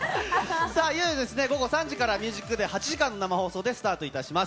いよいよ午後３時から『ＭＵＳＩＣＤＡＹ』８時間生放送でスタートします。